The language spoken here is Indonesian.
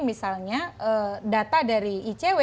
misalnya data dari icw